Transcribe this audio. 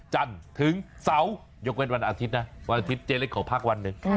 จันทร์ถึงเสาร์ยกเว้นวันอาทิตย์นะวันอาทิตย์เจ๊เล็กขอพักวันหนึ่ง